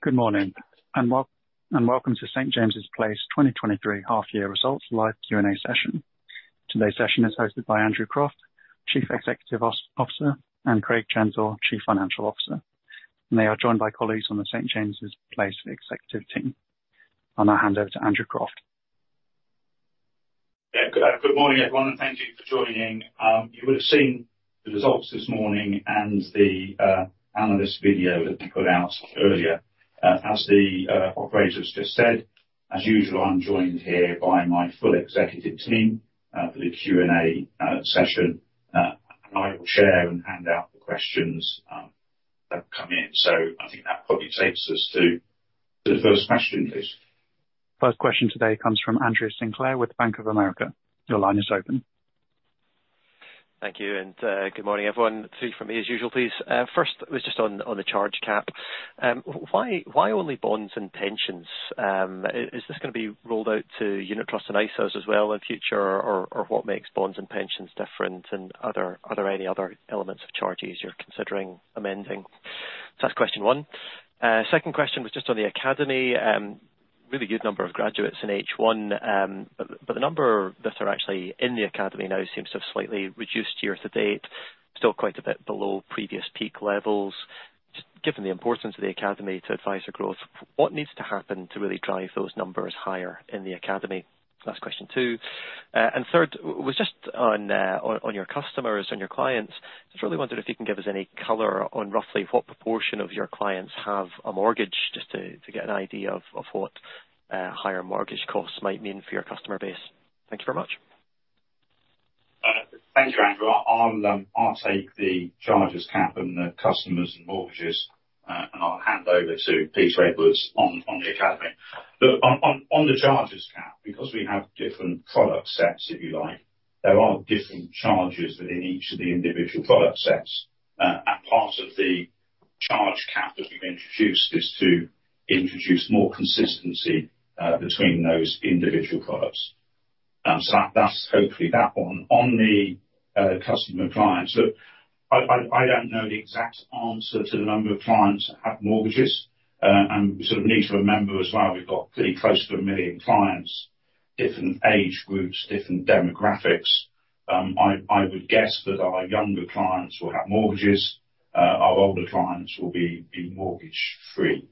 Good morning, and welcome to St. James's Place 2023 half year results live Q&A session. Today's session is hosted by Andrew Croft, Chief Executive Officer, and Craig Gentle, Chief Financial Officer. They are joined by colleagues on the St. James's Place executive team. I'm going to hand over to Andrew Croft. Yeah. Good morning, everyone, thank you for joining. You will have seen the results this morning and the analyst video that we put out earlier. As the operators just said, as usual, I'm joined here by my full executive team for the Q&A session. I will share and hand out the questions that come in. I think that probably takes us to the first question, please. First question today comes from Andrew Sinclair with Bank of America. Your line is open. Thank you, good morning, everyone. Two from me, as usual, please. First was just on the charge cap. Why, why only bonds and pensions? Is this gonna be rolled out to unit trusts and ISAs as well in the future, or what makes bonds and pensions different? Are there any other elements of charges you're considering amending? That's question one. Second question was just on the academy. Really good number of graduates in H1, but the number that are actually in the academy now seems to have slightly reduced year to date, still quite a bit below previous peak levels. Just given the importance of the academy to advisor growth, what needs to happen to really drive those numbers higher in the academy? That's question two. Third was just on your customers, on your clients. I just really wondered if you can give us any color on roughly what proportion of your clients have a mortgage, just to get an idea of what higher mortgage costs might mean for your customer base. Thank you very much. Thank you, Andrew. I'll take the charges cap and the customers and mortgages, and I'll hand over to Peter Edwards on the academy. Look, on the charges cap, because we have different product sets, if you like, there are different charges within each of the individual product sets. Part of the charge cap that we've introduced is to introduce more consistency between those individual products. That's hopefully that one. On the customer clients, look, I don't know the exact answer to the number of clients that have mortgages. We sort of need to remember as well, we've got pretty close to one million clients, different age groups, different demographics. I would guess that our younger clients will have mortgages, our older clients will be mortgage-free.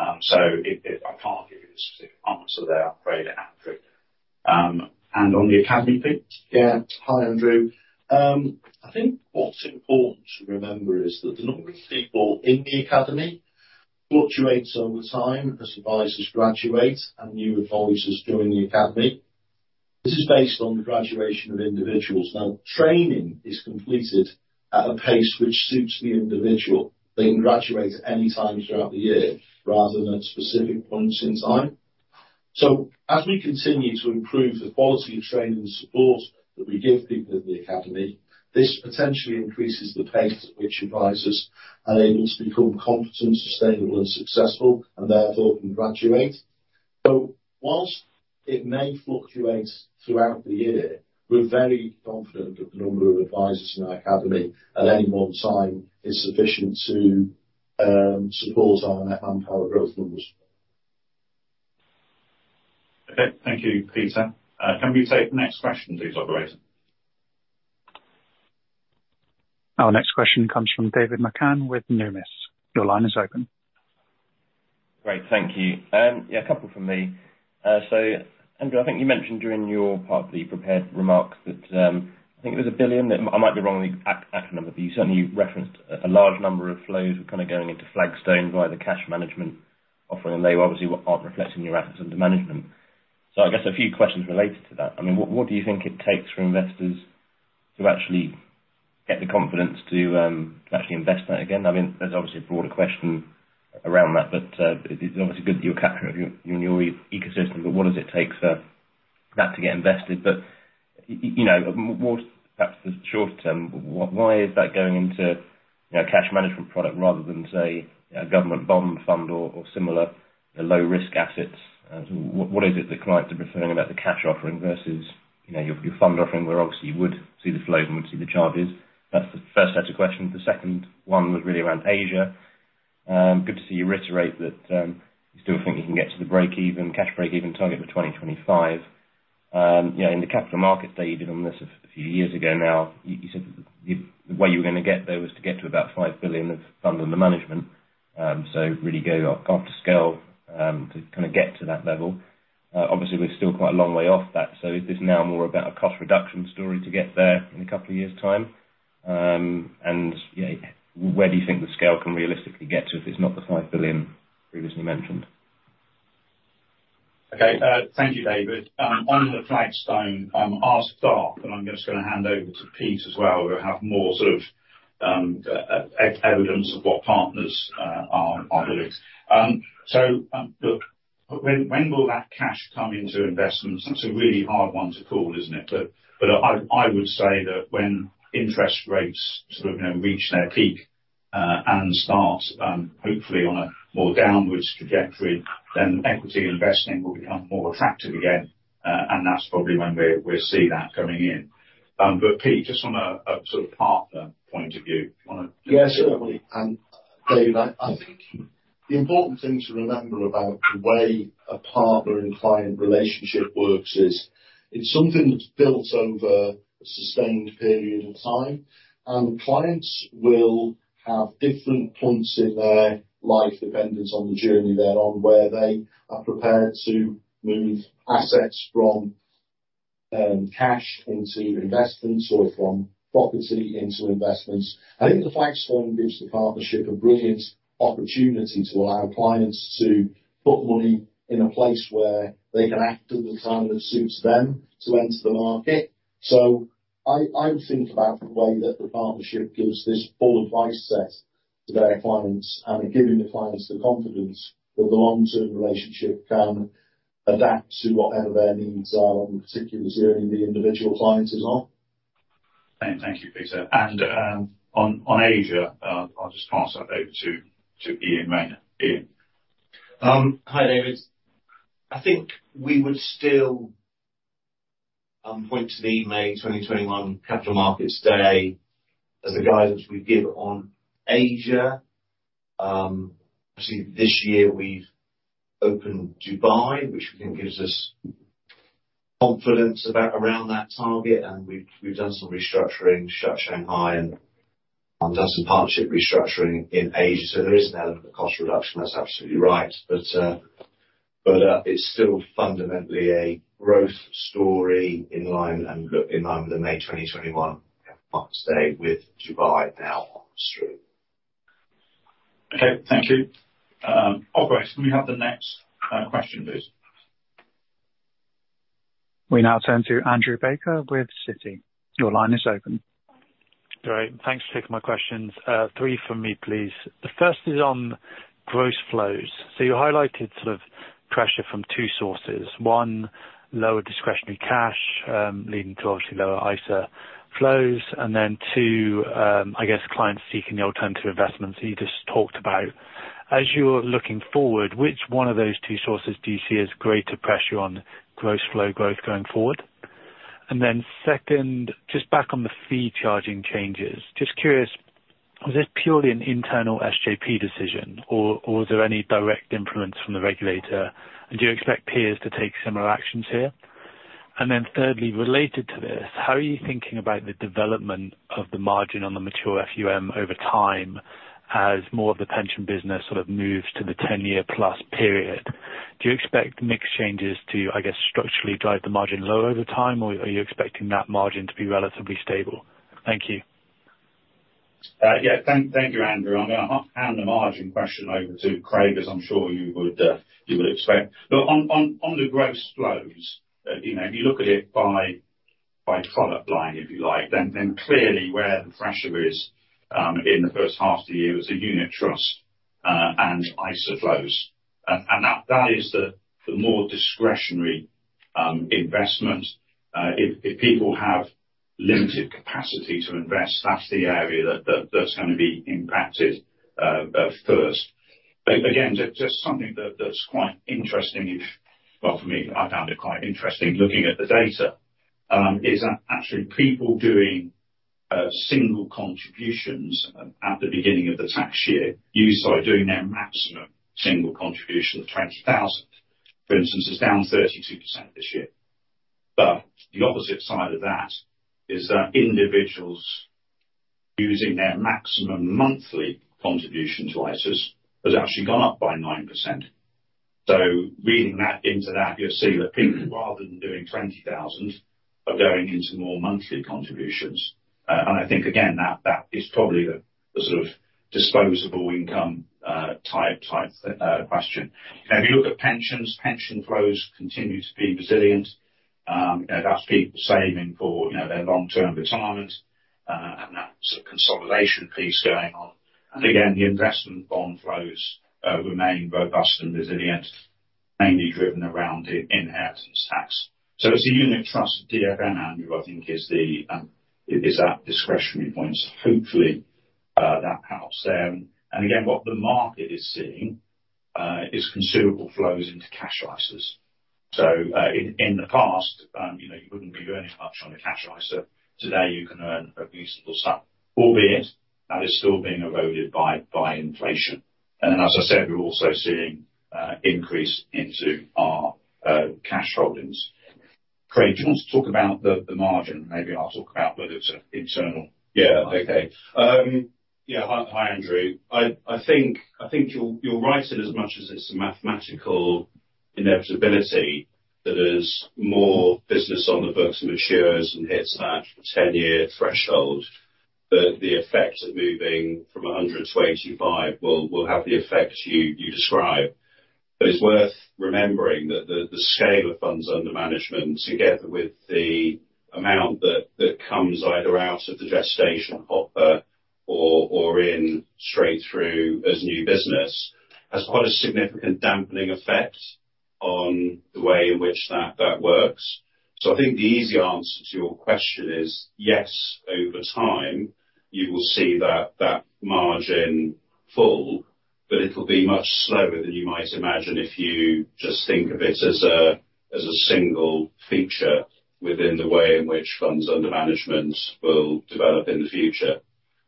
If I can't give you the specific answer there, I'm afraid, Andrew. On the academy piece? Yeah. Hi, Andrew. I think what's important to remember is that the number of people in the academy fluctuates over time as advisors graduate and new advisors join the academy. This is based on the graduation of individuals. Now, training is completed at a pace which suits the individual. They can graduate at any time throughout the year, rather than at specific points in time. As we continue to improve the quality of training and support that we give people in the academy, this potentially increases the pace at which advisors are able to become competent, sustainable and successful, and therefore can graduate. Whilst it may fluctuate throughout the year, we're very confident that the number of advisors in our academy at any one time is sufficient to support our net plan growth numbers. Okay. Thank you, Peter. Can we take the next question please, operator? Our next question comes from David McCann with Numis. Your line is open. Great, thank you. Yeah, a couple from me. Andrew, I think you mentioned during your part of the prepared remarks that, I think it was 1 billion, that I might be wrong on the actual number, but you certainly referenced a large number of flows were kind of going into Flagstone via the cash management offering, and they obviously aren't reflecting your assets under management. I guess a few questions related to that. I mean, what do you think it takes for investors to actually get the confidence to actually invest in that again? I mean, there's obviously a broader question around that, but it's obviously good that you're capturing it in your ecosystem, but what does it take for that to get invested? You know, what's perhaps the shorter term, why is that going into, you know, a cash management product rather than, say, a government bond fund or similar low-risk assets? What is it that clients are preferring about the cash offering versus, you know, your fund offering, where obviously you would see the flows and would see the charges? That's the first set of questions. The second one was really around Asia. Good to see you reiterate that you still think you can get to the break-even, cash break-even target for 2025. You know, in the capital market day, you did on this a few years ago now, you said the way you were going to get there was to get to about 5 billion of funds under management. Really go up to scale to kind of get to that level. Obviously, we're still quite a long way off that, so is this now more about a cost reduction story to get there in a couple of years' time? Where do you think the scale can realistically get to if it's not the 5 billion previously mentioned? Okay. Thank you, David. On the Flagstone, our start, and I'm just gonna hand over to Pete as well, who will have more sort of evidence of what partners are doing. Look, when will that cash come into investments? That's a really hard one to call, isn't it? I would say that when interest rates sort of, you know, reach their peak and start hopefully on a more downwards trajectory, then equity investing will become more attractive again. That's probably when we'll see that coming in. Pete, just from a sort of partner point of view. Yeah, certainly. Dave, I think the important thing to remember about the way a partner and client relationship works is, it's something that's built over a sustained period of time. The clients will have different points in their life, dependent on the journey they're on, where they are prepared to move assets from cash into investments or from property into investments. I think the Plexiform gives the partnership a brilliant opportunity to allow clients to put money in a place where they can act at the time that suits them to enter the market. I would think about the way that the partnership gives this full advice set to their clients, and giving the clients the confidence that the long-term relationship can adapt to whatever their needs are, on the particular journey the individual clients is on. Thank you, Peter. On Asia, I'll just pass that over to Iain Rayner. Ian. Hi, David. I think we would still point to the May 2021 capital markets day as the guidance we give on Asia. Actually, this year we've opened Dubai, which we think gives us confidence about around that target, and we've done some restructuring, shut Shanghai, and done some partnership restructuring in Asia. There is an element of cost reduction, that's absolutely right. It's still fundamentally a growth story in line and in line with the May 2021 market stay with Dubai now through. Okay, thank you. Operator, can we have the next question, please? We now turn to Andrew Baker with Citi. Your line is open. Great. Thanks for taking my questions. Three for me, please. The first is on gross flows. You highlighted sort of pressure from two sources. one, lower discretionary cash, leading to obviously lower ISA flows, and then two, I guess clients seeking the alternative investments that you just talked about. As you're looking forward, which one of those two sources do you see as greater pressure on gross flow growth going forward? Second, just back on the fee charging changes. Just curious, was this purely an internal SJP decision, or was there any direct influence from the regulator? Do you expect peers to take similar actions here? Thirdly, related to this, how are you thinking about the development of the margin on the mature FUM over time, as more of the pension business sort of moves to the 10-year plus period? Do you expect mix changes to, I guess, structurally drive the margin lower over time, or are you expecting that margin to be relatively stable? Thank you. Yeah, thank you, Andrew. I'm gonna hand the margin question over to Craig, as I'm sure you would expect. On the gross flows, you know, if you look at it by product line, if you like, then clearly where the pressure is in the first half of the year is the unit trust and ISA flows. That is the more discretionary investment. If people have limited capacity to invest, that's the area that's gonna be impacted first. Again, just something that's quite interesting. Well, for me, I found it quite interesting looking at the data, is that actually people doing single contributions at the beginning of the tax year, usually doing their maximum single contribution of 20,000, for instance, is down 32% this year. The opposite side of that is that individuals using their maximum monthly contribution to ISAs has actually gone up by 9%. Reading that into that, you'll see that people, rather than doing 20,000, are going into more monthly contributions. I think again, that is probably the sort of disposable income type question. If you look at pensions, pension flows continue to be resilient. That's people saving for, you know, their long-term retirement, and that sort of consolidation piece going on. Again, the investment bond flows remain robust and resilient, mainly driven around the inheritance tax. It's a unit trust DFM, Andrew, I think is at discretionary points. Hopefully, that helps. What the market is seeing is consumable flows into cash ISAs. In the past, you know, you wouldn't be earning much on a cash ISA. Today, you can earn a reasonable sum, albeit that is still being eroded by inflation. As I said, we're also seeing increase into our cash holdings. Craig, do you want to talk about the margin? Maybe I'll talk about whether it's internal. Okay, hi, Andrew. I think you're right in as much as it's a mathematical inevitability that there's more business on the books of insurers and hits that 10-year threshold, that the effects of moving from 100 to 85 will have the effects you describe. It's worth remembering that the scale of funds under management, together with the amount that comes either out of the gestation hopper or in straight through as new business, has quite a significant dampening effect on the way in which that works. I think the easy answer to your question is yes, over time, you will see that margin full, but it'll be much slower than you might imagine if you just think of it as a single feature within the way in which funds under management will develop in the future.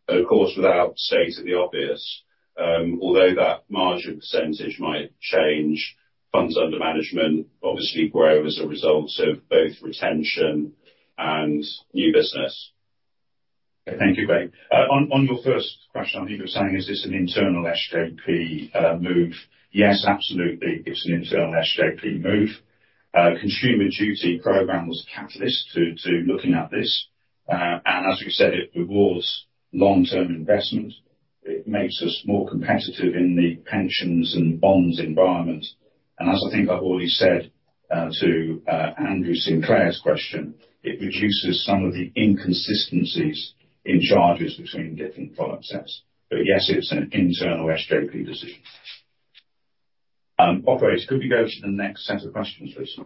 Of course, without stating the obvious, although that margin percentage might change, funds under management obviously grow as a result of both retention and new business. Thank you, Craig. On your first question, I think you're saying, is this an internal SJP move? Yes, absolutely. It's an internal SJP move. Consumer Duty program was a catalyst to looking at this. As you said, it rewards long-term investment. It makes us more competitive in the pensions and bonds environment. As I think I've already said to Andrew Sinclair's question, it reduces some of the inconsistencies in charges between different product sets. Yes, it's an internal SJP decision. Operators, could we go to the next set of questions, please?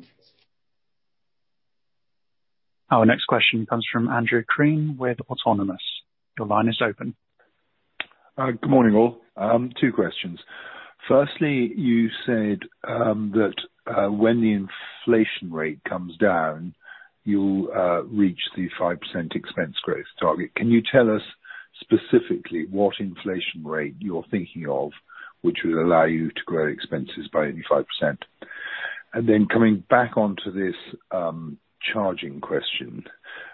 Our next question comes from Andrew Creane with Autonomous. Your line is open. Good morning, all. two questions: firstly, you said that when the inflation rate comes down, you'll reach the 5% expense growth target. Can you tell us specifically what inflation rate you're thinking of, which would allow you to grow expenses by 85%? Coming back onto this charging question,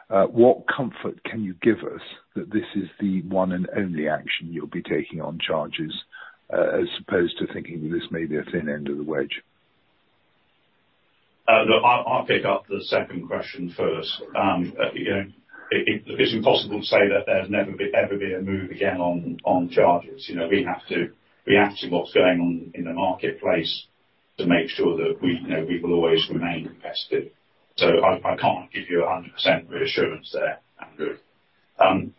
what comfort can you give us that this is the one and only action you'll be taking on charges, as opposed to thinking this may be a thin end of the wedge? Look, I'll pick up the second question first. You know, it's impossible to say that there's never ever been a move again on charges. You know, we have to react to what's going on in the marketplace to make sure that we, you know, we will always remain competitive. I can't give you 100% reassurance there, Andrew.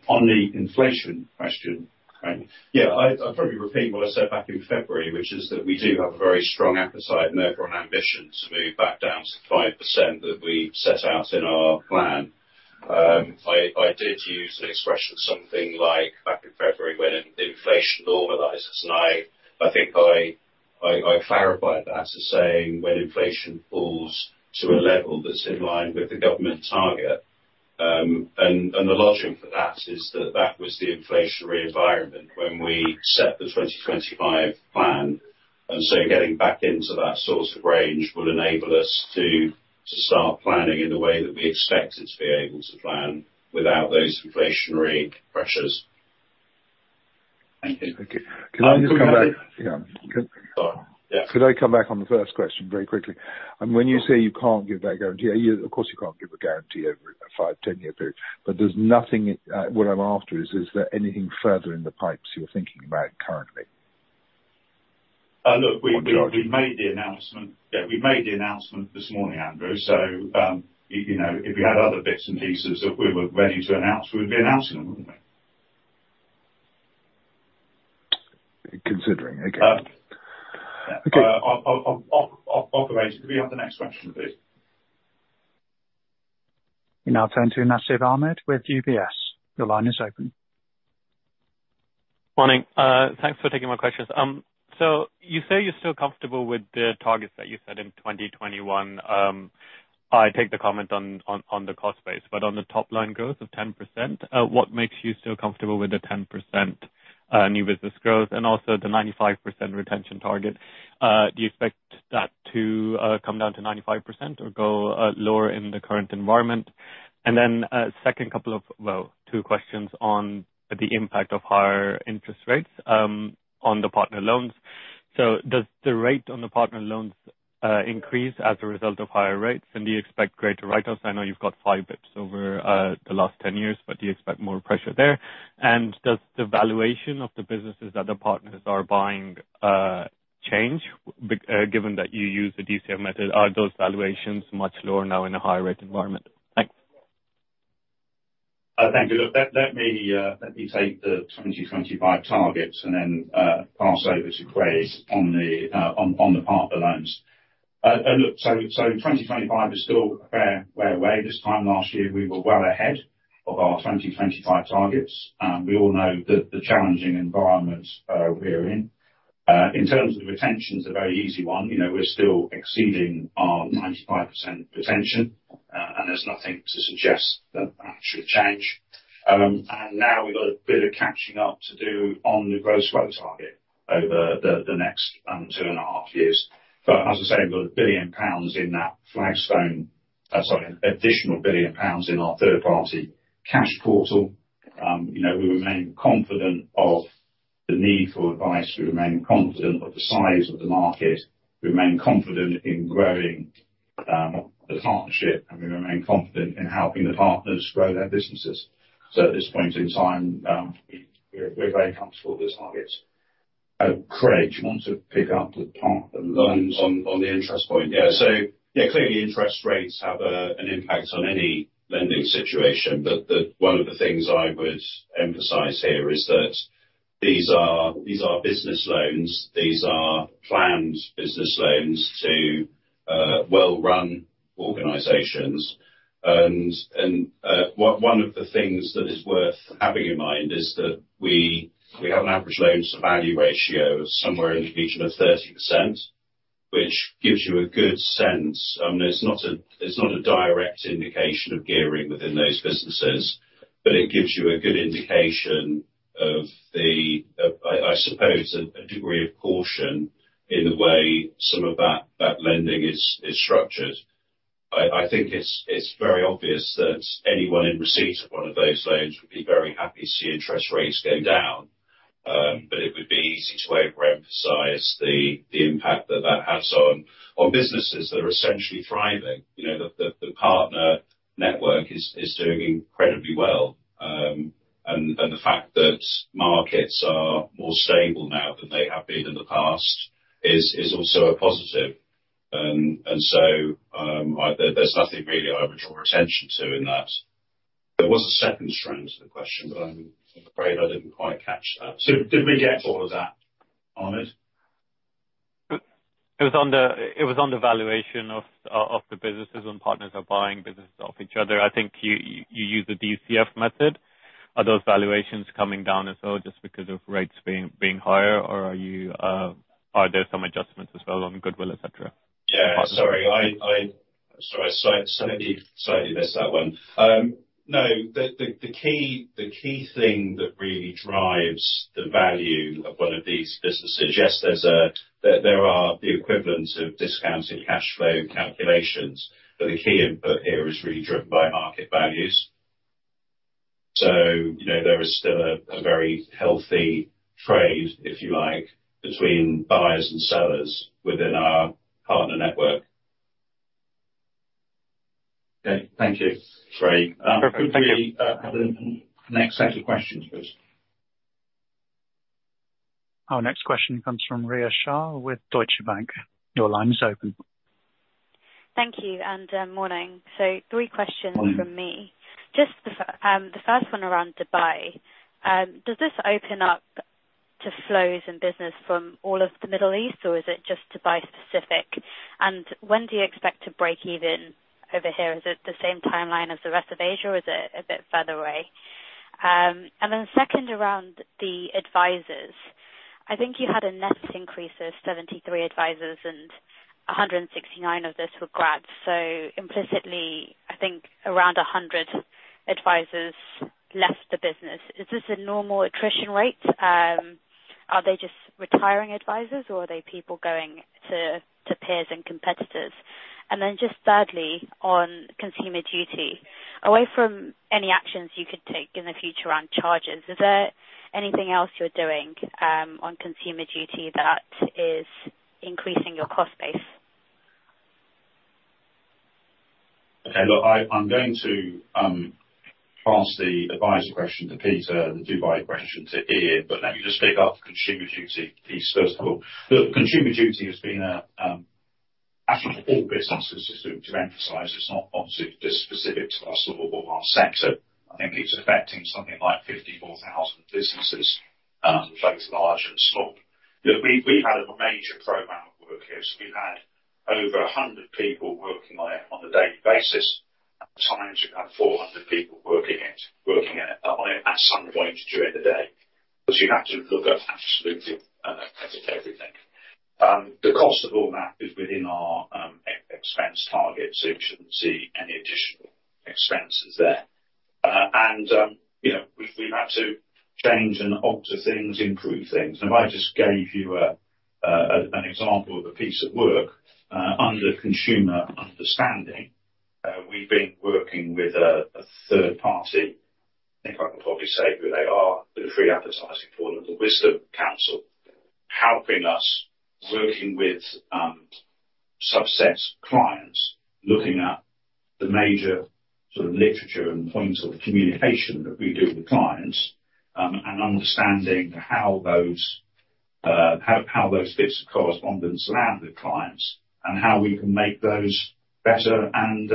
On the inflation question, yeah, I'll probably repeat what I said back in February, which is that we do have a very strong appetite and therefore an ambition to move back down to 5% that we set out in our plan. I did use an expression, something like back in February, when inflation normalizes, and I think I clarified that as saying, when inflation falls to a level that's in line with the government target. The logic for that is that that was the inflationary environment when we set the 2025 plan. Getting back into that sort of range would enable us to start planning in the way that we expected to be able to plan without those inflationary pressures. Thank you. Can I just come back? Yeah. Sorry. Yeah. Could I come back on the first question very quickly? Sure. When you say you can't give that guarantee, Of course, you can't give a guarantee over a five, 10-year period, but there's nothing, what I'm after is there anything further in the pipes you're thinking about currently? Look. On charges. We made the announcement. Yeah, we made the announcement this morning, Andrew. You know, if we had other bits and pieces that we were ready to announce, we would be announcing them, wouldn't we? Considering, okay. Um- Okay. Operators, can we have the next question, please? We now turn to Nasib Ahmed with UBS. Your line is open. Morning. Thanks for taking my questions. You say you're still comfortable with the targets that you set in 2021. I take the comment on the cost base, but on the top line growth of 10%, what makes you so comfortable with the 10% new business growth and also the 95% retention target? Do you expect that to come down to 95% or go lower in the current environment? Second couple of, well, two questions on the impact of higher interest rates on the partner loans. Does the rate on the partner loans increase as a result of higher rates, and do you expect greater write-offs? I know you've got five bips over the last 10 years, but do you expect more pressure there? Does the valuation of the businesses that the partners are buying, change, given that you use the DCF method, are those valuations much lower now in a higher rate environment? Thanks. Thank you. Look, let me take the 2025 targets and then pass over to Craig on the partner loans. Look, so 2025 is still a fair way away. This time last year, we were well ahead of our 2025 targets. We all know the challenging environment we're in. In terms of retention, it's a very easy one. You know, we're still exceeding our 95% retention, and there's nothing to suggest that that should change. And now we've got a bit of catching up to do on the growth target over the next two and a half years. As I say, we've got 1 billion pounds in that Flagstone, sorry, additional 1 billion pounds in our third-party cash portal. You know, we remain confident of the need for advice. We remain confident of the size of the market. We remain confident in growing the partnership, and we remain confident in helping the partners grow their businesses. At this point in time, we're very comfortable with the targets. Craig, do you want to pick up the partner loans? On the interest point? Clearly, interest rates have an impact on any lending situation, but one of the things I would emphasize here is that these are business loans. These are planned business loans to well-run organizations. One of the things that is worth having in mind is that we have an average loans to value ratio of somewhere in the region of 30%, which gives you a good sense. I mean, it's not a, it's not a direct indication of gearing within those businesses, but it gives you a good indication of the, I suppose, a degree of caution in the way some of that lending is structured. I think it's very obvious that anyone in receipt of one of those loans would be very happy to see interest rates go down. It would be easy to overemphasize the impact that that has on businesses that are essentially thriving. You know, the partner network is doing incredibly well. The fact that markets are more stable now than they have been in the past is also a positive. There's nothing really I would draw attention to in that. There was a second strand to the question, but I'm afraid I didn't quite catch that. Did we get all of that, Ahmed? It was on the valuation of the businesses when partners are buying businesses off each other. I think you used the DCF method. Are those valuations coming down as well, just because of rates being higher? Or are you, Are there some adjustments as well on goodwill, et cetera? Yeah, sorry, I Sorry, I slightly missed that one. no, the key thing that really drives the value of one of these businesses, yes, there are the equivalents of discounted cash flow calculations, but the key input here is really driven by market values. you know, there is still a very healthy trade, if you like, between buyers and sellers within our partner network. Okay. Thank you. Great. Perfect. Thank you. Could we have the next set of questions, please? Our next question comes from Rhea Shah with Deutsche Bank. Your line is open. Thank you, and morning. Three questions from me. Morning. Just the first one around Dubai. Does this open up to flows in business from all of the Middle East, or is it just Dubai specific? When do you expect to break even over here? Is it the same timeline as the rest of Asia, or is it a bit further away? Second, around the advisors. I think you had a net increase of 73 advisors, and 169 of this were grads. So implicitly, I think around 100 advisors left the business. Is this a normal attrition rate? Are they just retiring advisors, or are they people going to peers and competitors? Thirdly, on Consumer Duty. Away from any actions you could take in the future on charges, is there anything else you're doing on Consumer Duty that is increasing your cost base? Okay. Look, I'm going to pass the advisor question to Peter and the Dubai question to Ian. Let me just pick up the Consumer Duty piece first of all. Look, Consumer Duty has been a actual all businesses to emphasize it's not obviously just specific to us or our sector. I think it's affecting something like 54,000 businesses, both large and small. Look, we've had a major program of work here. We've had over 100 people working on it on a daily basis. At times, we've had 400 people working it, working in it, on it at some point during the day. You have to look at absolutely everything. The cost of all that is within our expense target. You shouldn't see any additional expenses there. You know, we've had to change and alter things, improve things. I just gave you an example of a piece of work under consumer understanding. We've been working with a third party, I think I can probably say who they are, the free advertising for them, The Wisdom Council, helping us, working with subsets of clients, looking at the major sort of literature and points of communication that we do with clients, and understanding how those bits of correspondence land with clients, and how we can make those better and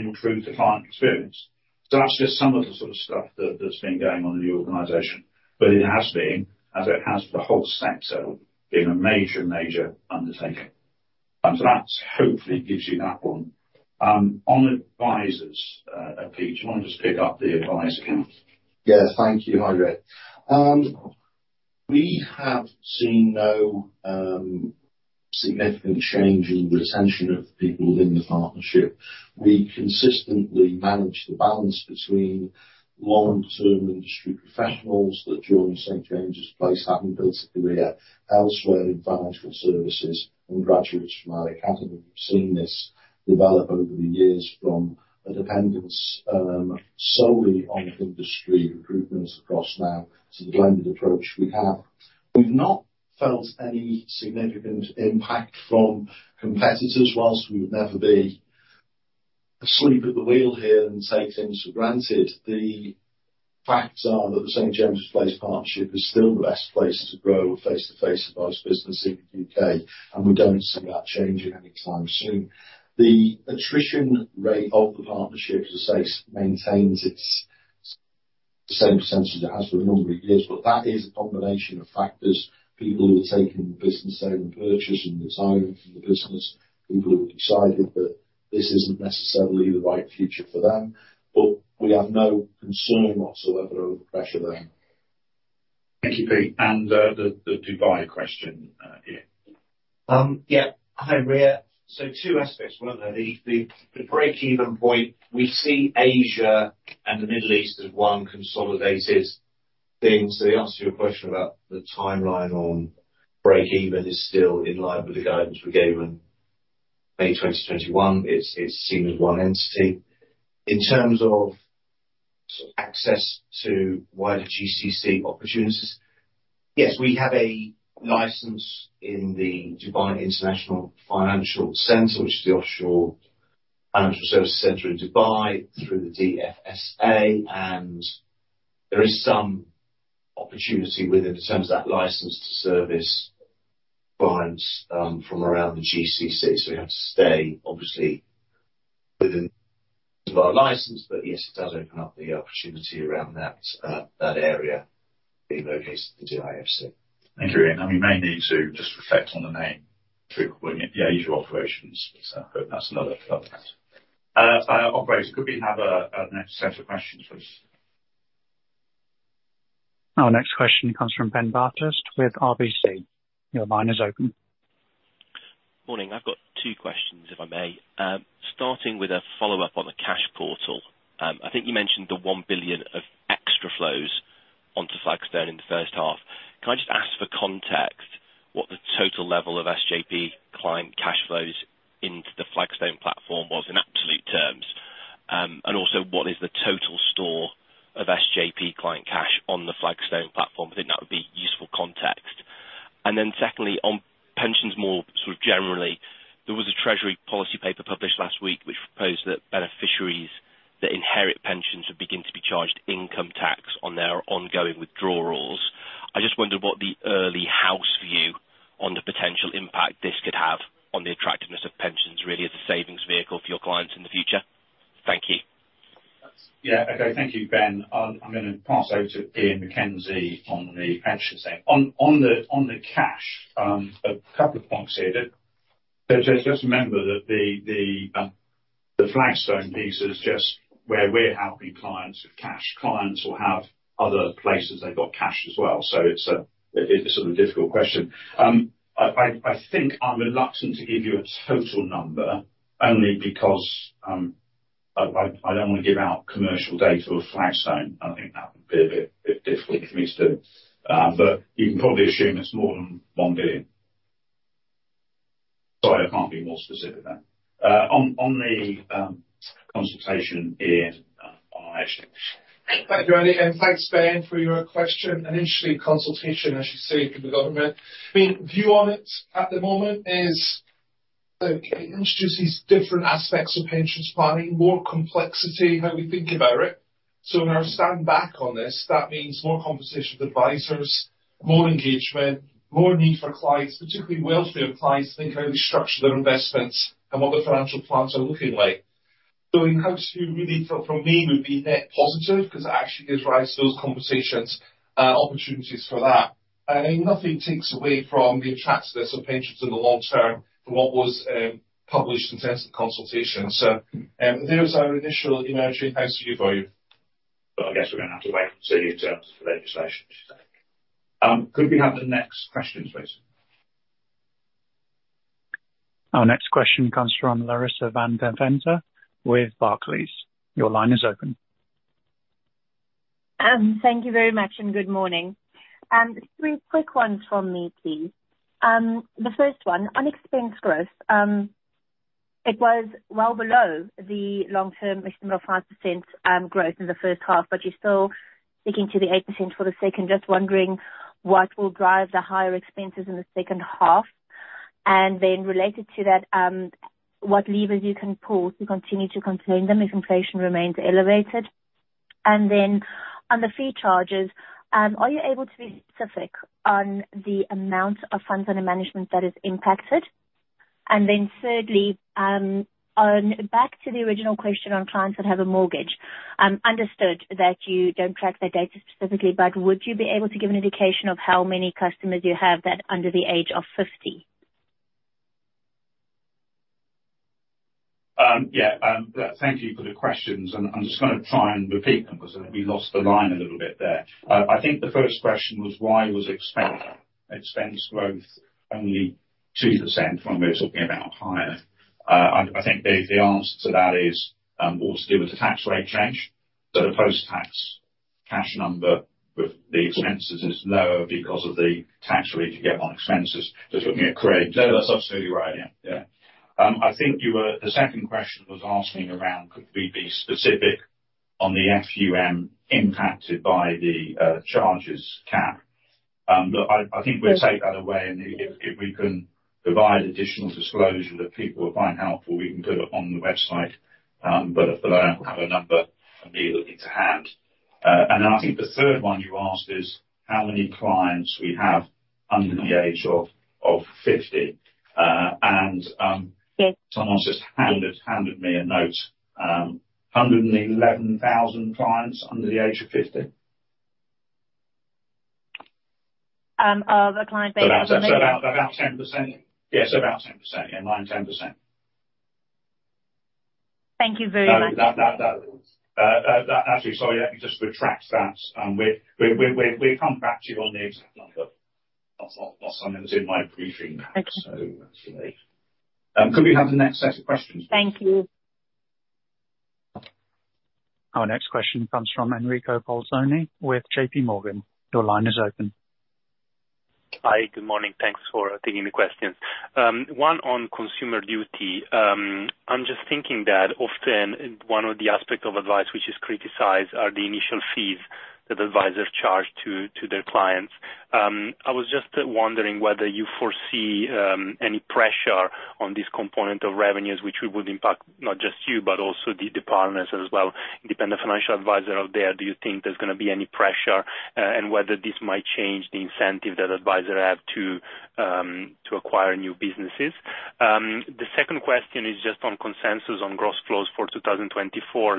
improve the client experience. That's just some of the sort of stuff that's been going on in the organization, but it has been, as it has for the whole sector, been a major undertaking. That hopefully gives you that one. On advisors, Pete, do you want to just pick up the advice account? Yes, thank you, Andrew. We have seen no significant change in the retention of people in the partnership. We consistently manage the balance between long-term industry professionals that join St. James's Place, having built a career elsewhere in financial services, and graduates from our academy. We've seen this develop over the years from a dependence, solely on industry recruitments across now to the blended approach we have. We've not felt any significant impact from competitors. Whilst we would never be asleep at the wheel here and take things for granted, the facts are that the St. James's Place partnership is still the best place to grow a face-to-face advice business in the U.K., and we don't see that changing anytime soon. The attrition rate of the partnership, as I say, maintains. the same percentage as it has for a number of years. That is a combination of factors. People who are taking business out and purchasing, retiring from the business, people who have decided that this isn't necessarily the right future for them. We have no concern whatsoever over pressure there. Thank you, Pete. The Dubai question, Ian. Yeah. Hi, Rhea. Two aspects, weren't there? The break-even point, we see Asia and the Middle East as one consolidated thing. You asked you a question about the timeline on break-even is still in line with the guidance we gave on May 2021. It's seen as one entity. In terms of sort of access to wider GCC opportunities, yes, we have a license in the Dubai International Financial Center, which is the Offshore Financial Services Center in Dubai, through the DFSA, and there is some opportunity with it in terms of that license to service clients from around the GCC. We have to stay, obviously, within our license. Yes, it does open up the opportunity around that area being located in the DIFC. Thank you, Ian. We may need to just reflect on the name through the Asia operations, so hope that's another. Okay. Operators, could we have a next set of questions, please? Our next question comes from Ben Bathurst with RBC. Your line is open. Morning, I've got two questions, if I may. Starting with a follow-up on the cash portal. I think you mentioned the 1 billion of extra flows onto Flagstone in the first half. Can I just ask for context, what the total level of SJP client cash flows into the Flagstone platform was in absolute terms? Also, what is the total store of SJP client cash on the Flagstone platform? I think that would be useful context. Then secondly, on pensions, more sort of generally, there was a treasury policy paper published last week which proposed that beneficiaries that inherit pensions would begin to be charged income tax on their ongoing withdrawals. I just wondered what the early house view on the potential impact this could have on the attractiveness of pensions, really, as a savings vehicle for your clients in the future. Thank you. Yeah. Okay, thank you, Ben. I'm gonna pass over to Ian MacKenzie on the pension side. On the cash, a couple of points here, that, just remember that the Flagstone piece is just where we're helping clients with cash. Clients will have other places they've got cash as well, so it's a, it's sort of a difficult question. I think I'm reluctant to give you a total number, only because, I don't want to give out commercial data for Flagstone. I think that would be a bit difficult for me to do, but you can probably assume it's more than 1 billion. Sorry, I can't be more specific than that. On the consultation, Ian, actually. Thank you, Andy. Thanks, Ben, for your question. An interesting consultation, as you say, from the government. I mean, view on it at the moment is, okay, it introduces these different aspects of pensions planning, more complexity in how we think about it. When I stand back on this, that means more conversation with advisors, more engagement, more need for clients, particularly wealthier clients, to think how they structure their investments and what their financial plans are looking like. In-house view, really for me, would be net positive, 'cause it actually gives rise to those conversations, opportunities for that. Nothing takes away from the attractiveness of pensions in the long term from what was published in terms of the consultation. There is our initial emerging house view for you. I guess we're gonna have to wait and see in terms of the legislation. Could we have the next question, please? Our next question comes from Larissa van Deventer with Barclays. Your line is open. Thank you very much, good morning. three quick ones from me, please. The first one, expense growth. It was well below the long-term estimated 5% growth in the first half, you're still sticking to the 8% for the second. Just wondering what will drive the higher expenses in the second half? Related to that, what levers you can pull to continue to contain them if inflation remains elevated. On the fee charges, are you able to be specific on the amount of funds under management that is impacted? Thirdly, back to the original question on clients that have a mortgage, understood that you don't track their data specifically, but would you be able to give an indication of how many customers you have that are under the age of 50? Yeah. Thank you for the questions. I'm just gonna try and repeat them because I think we lost the line a little bit there. I think the first question was: Why was expense growth only 2% when we were talking about higher? I think the answer to that is also to do with the tax rate change. The post-tax cash number with the expenses is lower because of the tax rate you get on expenses. Just looking at Craig. No, that's absolutely right. Yeah, yeah. I think the second question was asking around, could we be specific on the FUM impacted by the charges cap? Look, I think we'll take that away, and if we can provide additional disclosure that people will find helpful, we can put it on the website. For now, I don't have a number for me looking to have. I think the third one you asked is: How many clients we have under the age of 50. Someone's just handed me a note. 111,000 clients under the age of 50? Of the client base- About 10%? Yes, about 10%. Yeah, 9%, 10%. Thank you very much. That actually, sorry, let me just retract that. We'll come back to you on the exact number. That's not what's in my briefing now. Okay. Actually. Could we have the next set of questions? Thank you. Our next question comes from Enrico Bolzoni with J.P. Morgan. Your line is open. Hi, good morning. Thanks for taking the questions. One, on Consumer Duty. I'm just thinking that often, one of the aspects of advice which is criticized are the initial fees that advisors charge to their clients. I was just wondering whether you foresee any pressure on this component of revenues, which would impact not just you, but also the departments as well, independent financial advisor out there. Do you think there's gonna be any pressure, and whether this might change the incentive that advisors have to acquire new businesses? The second question is just on consensus on gross flows for 2024.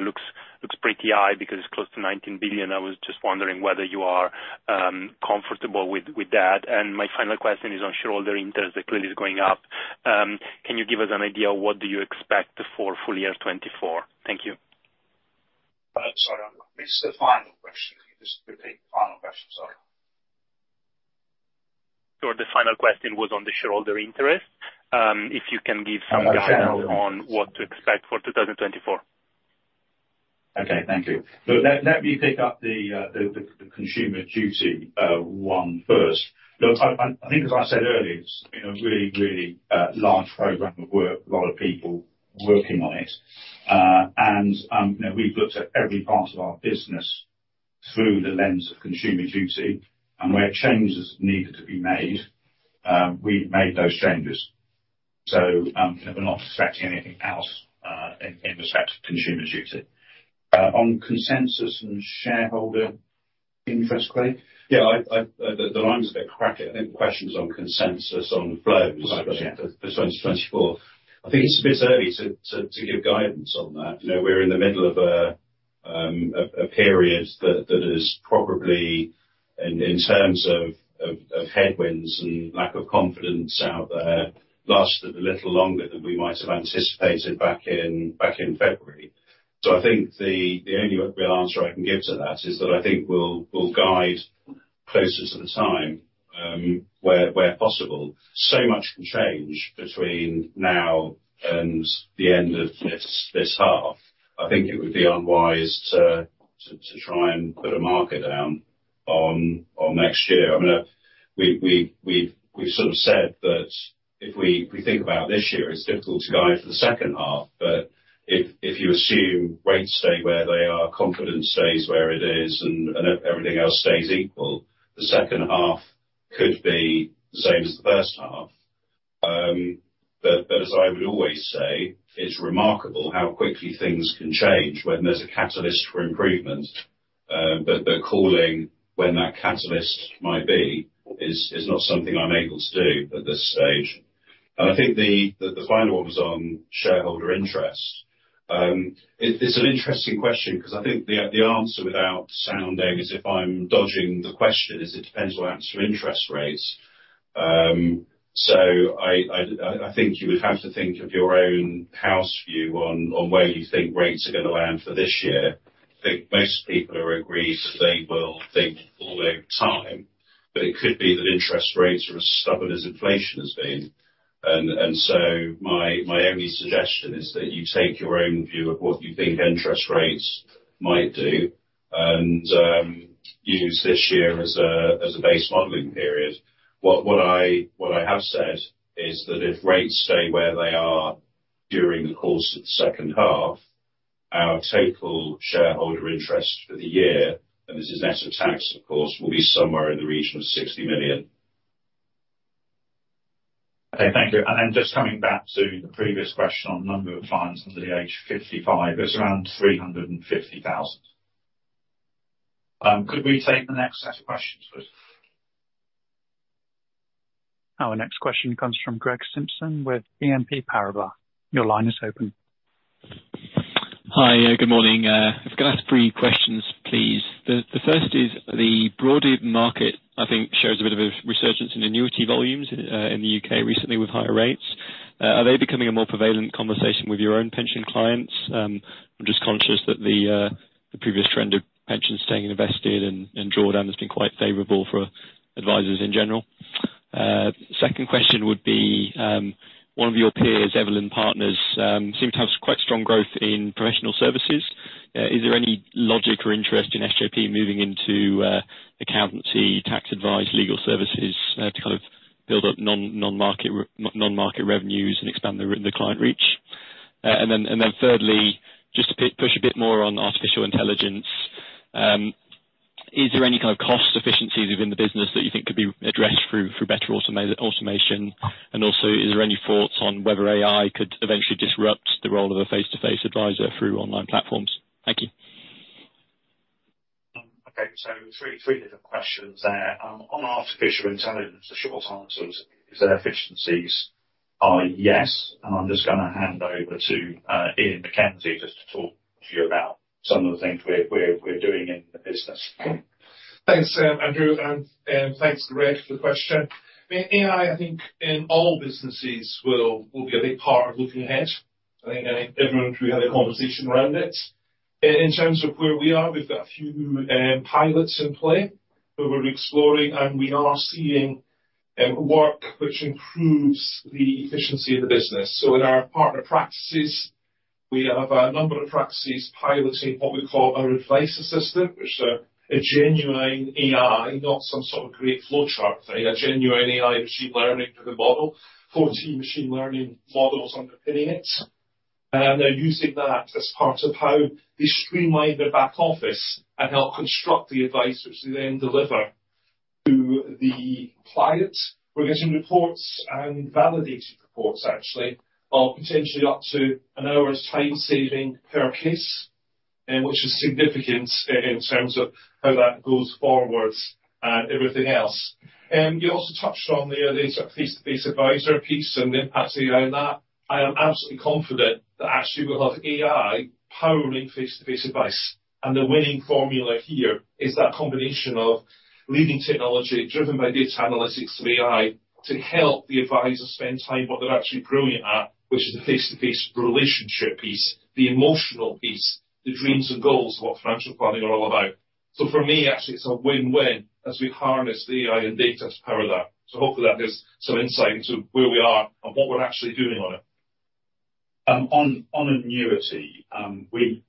Looks pretty high because it's close to 19 billion. I was just wondering whether you are comfortable with that. My final question is on shareholder interest, clearly is going up. Can you give us an idea of what do you expect for full year 2024? Thank you. Sorry, what's the final question? Can you just repeat the final question? Sorry. Sure. The final question was on the shareholder interest. If you can give some guidance. I understand. on what to expect for 2024. Okay, thank you. Let me pick up the Consumer Duty one first. Look, I think, as I said earlier, it's been a really large program of work, a lot of people working on it. You know, we've looked at every part of our business through the lens of Consumer Duty, and where changes needed to be made, we made those changes. We're not expecting anything else in respect to Consumer Duty. On consensus and shareholder interest, Craig? Yeah, the line was a bit crackly. I think the question is on consensus on flows. Right. For 2024. I think it's a bit early to give guidance on that. You know, we're in the middle of a period that is probably in terms of headwinds and lack of confidence out there, lasted a little longer than we might have anticipated back in February. I think the only real answer I can give to that is that I think we'll guide closer to the time, where possible. Much can change between now and the end of this half. I think it would be unwise to try and put a marker down on next year. I mean, we've sort of said that if we think about this year, it's difficult to guide for the second half, but if you assume rates stay where they are, confidence stays where it is, and everything else stays equal, the second half could be the same as the first half. As I would always say, it's remarkable how quickly things can change when there's a catalyst for improvement, but calling when that catalyst might be is not something I'm able to do at this stage. I think the final one was on shareholder interest. It's an interesting question 'cause I think the answer, without sounding as if I'm dodging the question, is it depends what happens to interest rates. I think you would have to think of your own house view on where you think rates are gonna land for this year. I think most people are agreed that they will think all the time, but it could be that interest rates are as stubborn as inflation has been. My only suggestion is that you take your own view of what you think interest rates might do and use this year as a base modeling period. What I have said is that if rates stay where they are during the course of the second half, our total shareholder interest for the year, and this is net of tax, of course, will be somewhere in the region of 60 million. Okay, thank you. Just coming back to the previous question on number of clients under the age of 55, it's around 350,000. Could we take the next set of questions, please? Our next question comes from Gregory Simpson with BNP Paribas. Your line is open. Hi, good morning. I've got three questions, please. The first is, the broader market, I think, shows a bit of a resurgence in annuity volumes, in the U.K. recently with higher rates. Are they becoming a more prevalent conversation with your own pension clients? I'm just conscious that the previous trend of pensions staying invested in drawdown has been quite favorable for advisors in general. Second question would be, one of your peers, Evelyn Partners, seem to have quite strong growth in professional services. Is there any logic or interest in SJP moving into accountancy, tax advice, legal services, to kind of build up non-market revenues and expand the client reach? Then thirdly, just to push a bit more on artificial intelligence, is there any kind of cost efficiencies within the business that you think could be addressed through better automation? Also, is there any thoughts on whether AI could eventually disrupt the role of a face-to-face advisor through online platforms?... Okay, three different questions there. On artificial intelligence, the short answer is there efficiencies? Yes, I'm just gonna hand over to Ian MacKenzie, just to talk to you about some of the things we're doing in the business. Thanks, Andrew, and thanks, Greg Simpson, for the question. AI, I think in all businesses will be a big part of looking ahead. I think everyone through had a conversation around it. In terms of where we are, we've got a few pilots in play, who we're exploring, and we are seeing work which improves the efficiency of the business. In our partner practices, we have a number of practices piloting what we call our Advice Assistant, which is a genuine AI, not some sort of great flowchart. A genuine AI machine learning model, 14 machine learning models underpinning it. They're using that as part of how they streamline their back office and help construct the advice which they then deliver to the client. We're getting reports and validated reports, actually, of potentially up to an hour's time saving per case, which is significant in terms of how that goes forwards and everything else. You also touched on the other face-to-face advisor piece and the impact around that. I am absolutely confident that actually, we'll have AI powering face-to-face advice. The winning formula here is that combination of leading technology, driven by data analytics and AI, to help the advisor spend time, what they're actually brilliant at, which is the face-to-face relationship piece, the emotional piece, the dreams and goals, what financial planning are all about. For me, actually, it's a win-win as we harness the AI and data to power that. Hopefully that gives some insight into where we are and what we're actually doing on it. On annuity,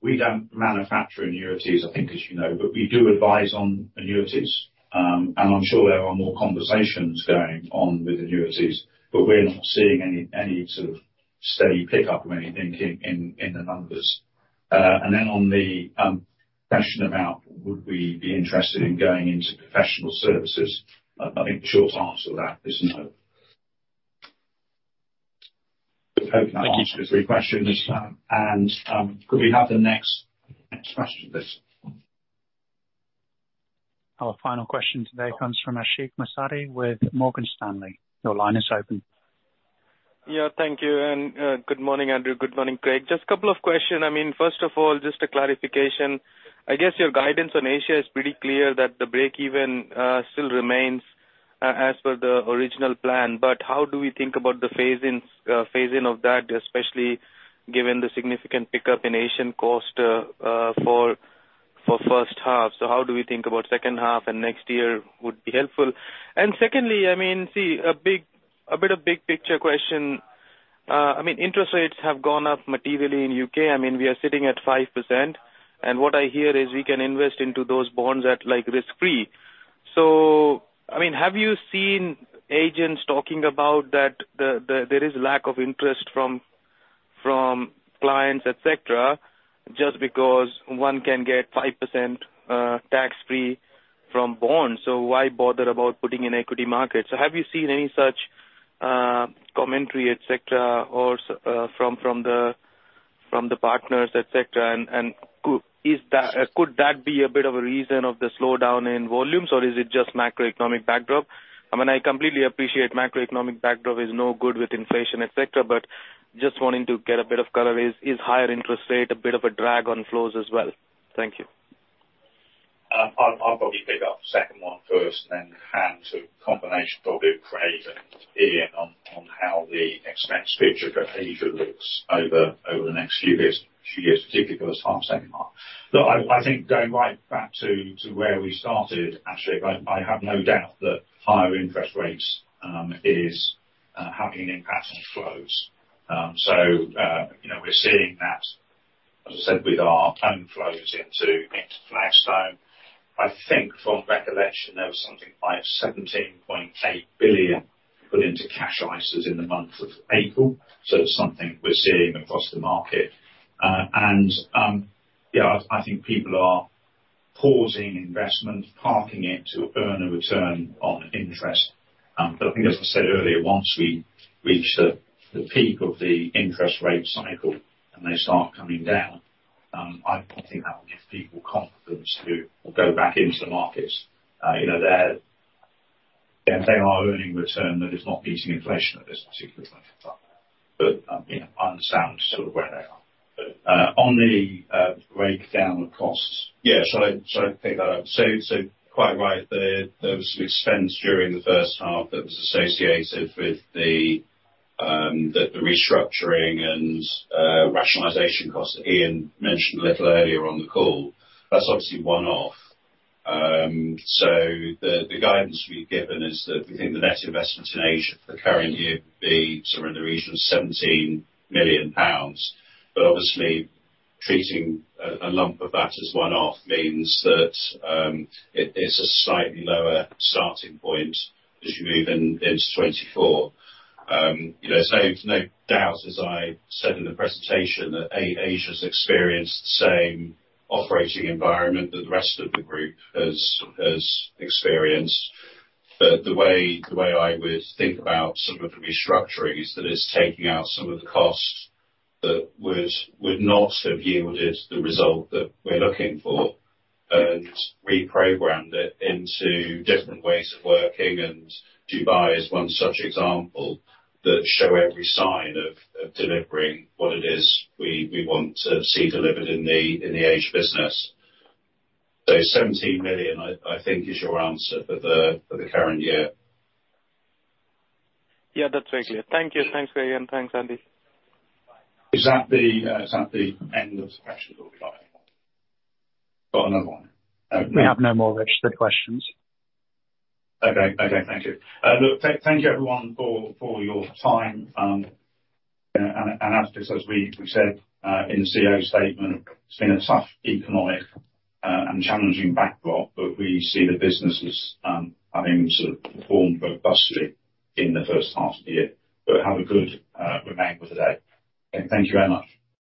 we don't manufacture annuities, I think, as you know, but we do advise on annuities. I'm sure there are more conversations going on with annuities, but we're not seeing any sort of steady pickup or anything in the numbers. On the question about would we be interested in going into professional services? I think the short answer to that is no. Thank you. Could we have the next question, please? Our final question today comes from Connor Massar with Morgan Stanley. Your line is open. Yeah, thank you. Good morning, Andrew. Good morning, Craig. Just a couple of questions. I mean, first of all, just a clarification. I guess your guidance on Asia is pretty clear that the break even still remains as per the original plan. How do we think about the phase-in of that, especially given the significant pickup in Asian cost for first half? How do we think about second half and next year would be helpful. Secondly, I mean, see a bit of big picture question. I mean, interest rates have gone up materially in U.K. I mean, we are sitting at 5%, and what I hear is we can invest into those bonds at, like, risk-free. I mean, have you seen agents talking about that, the there is lack of interest from clients, et cetera, just because one can get 5% tax-free from bonds, so why bother about putting in equity markets? Have you seen any such commentary, et cetera, or from the partners, et cetera? Is that... Could that be a bit of a reason of the slowdown in volumes, or is it just macroeconomic backdrop? I mean, I completely appreciate macroeconomic backdrop is no good with inflation, et cetera, but just wanting to get a bit of color. Is higher interest rate a bit of a drag on flows as well? Thank you. I'll probably pick up the second one first, and then hand to a combination of Craig and Ian on how the expense picture for Asia looks over the next few years, two years, particularly for the second half. Look, I think going right back to where we started, Nasib, I have no doubt that higher interest rates is having an impact on flows. You know, we're seeing that, as I said, with our own flows into Flagstone. I think, from recollection, there was something like 17.8 billion put into Cash ISAs in the month of April. It's something we're seeing across the market. Yeah, I think people are pausing investment, parking it to earn a return on interest. I think as I said earlier, once we reach the peak of the interest rate cycle and they start coming down, I think that will give people confidence to go back into the markets. You know, they're, they are earning return that is not beating inflation at this particular point in time. You know, I understand sort of where they are. On the breakdown of costs. Yeah, shall I pick that up? Quite right, there was some expense during the first half that was associated with the restructuring and rationalization costs that Ian mentioned a little earlier on the call. That's obviously one-off. The guidance we've given is that we think the net investment in Asia for the current year will be somewhere in the region of 17 million pounds. Obviously, treating a lump of that as one-off means that it's a slightly lower starting point as you move into 2024. No doubt, as I said in the presentation, that Asia's experienced the same operating environment that the rest of the group has experienced. The way I would think about some of the restructuring is that it's taking out some of the costs that would not have yielded the result that we're looking for, and reprogrammed it into different ways of working, and Dubai is one such example, that show every sign of delivering what it is we want to see delivered in the Asia business. 17 million, I think, is your answer for the current year. Yeah, that's right. Thank you. Thanks again. Thanks, Andy. Is that the, is that the end of the questions or we've got another one? We have no more registered questions. Okay. Thank you. Look, thank you, everyone, for your time. As we said, in the CEO statement, it's been a tough economic and challenging backdrop, but we see the business as having sort of performed robustly in the first half of the year. Have a good remainder of the day. Thank you very much.